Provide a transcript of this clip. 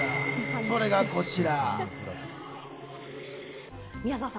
それがこちら。